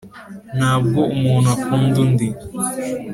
ntabwo umuntu akunda undi